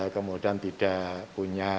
kemudian tidak punya